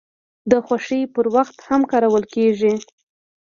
د خوښۍ پر وخت هم کارول کیږي.